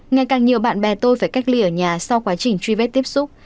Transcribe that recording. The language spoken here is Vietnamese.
ngày càng nhiều bạn bè tôi phải cách ly ở nhà sau quá trình truy vết tiếp xúc